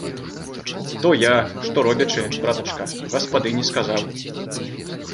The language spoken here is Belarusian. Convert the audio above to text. То я, што робячы, братачка, гаспадыні сказаў.